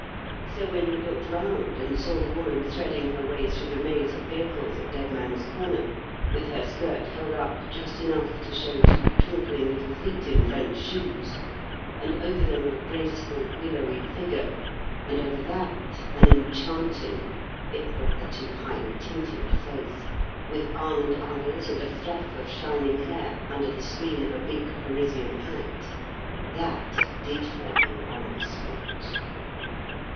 So when he looked round and saw the woman threading her way through the maze of vehicles at "Dead Man's Corner," with her skirt held up just enough to show two twinkling little feet in French shoes, and over them a graceful, willowy figure, and over that an enchanting, if rather too highly tinted face, with almond eyes and a fluff of shining hair under the screen of a big Parisian hat that did for him on the spot.